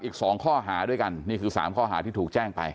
อีก๒ข้อหาด้วยกันนี่คือ๓ข้อหาที่ถูกแจ้งไป